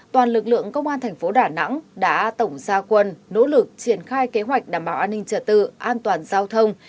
toàn lực lượng công an thành phố đà nẵng đã tổng gia quân nỗ lực triển khai kế hoạch đảm bảo an ninh trật tự an toàn giao thông